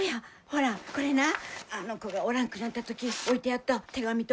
ほらこれなあの子がおらんくなった時置いてあった手紙とお金。